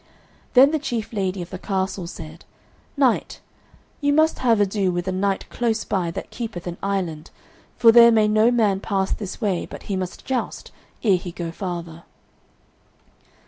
Then the chief lady of the castle said, "Knight, you must have ado with a knight close by that keepeth an island, for there may no man pass this way but he must joust, ere he go farther."